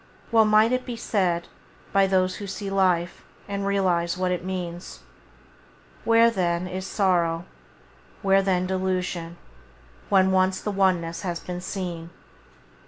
Well might it be said by those who see life, and realize what it means: "Where, then, is sorrow, where then delusion, when once the one ness has been seen